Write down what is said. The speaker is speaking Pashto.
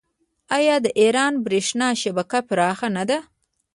آیا د ایران بریښنا شبکه پراخه نه ده؟